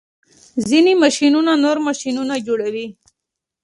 ځینې ماشینونه نور ماشینونه جوړوي.